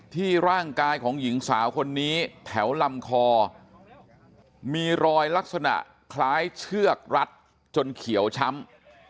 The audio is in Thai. ร่างกายของหญิงสาวคนนี้แถวลำคอมีรอยลักษณะคล้ายเชือกรัดจนเขียวช้ำ